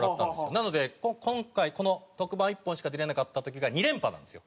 なので今回この特番１本しか出られなかった時が２連覇なんですよ。